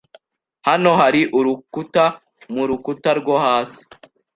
Hano hari urukuta mu rukuta rwo hasi.